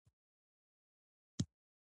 عادي بودیجه او انکشافي بودیجه.